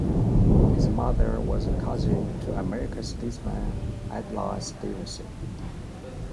His mother was cousin to American statesman Adlai Stevenson.